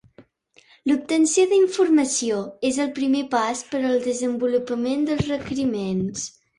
L'obtenció d'informació és el primer pas per al desenvolupament dels requeriments.